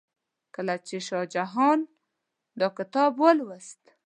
کله چې شاه جهان دا کتاب ولوست.